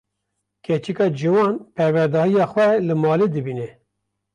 Keçika ciwan, perwerdehiya xwe li malê dibîne